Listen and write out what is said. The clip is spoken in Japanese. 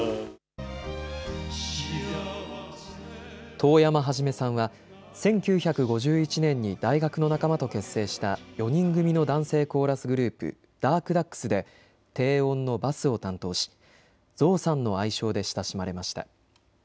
遠山一さんは１９５１年に大学の仲間と結成した４人組の男声コーラスグループ、ダークダックスで低音のバスを担当しゾウさんの愛称で親しまれました。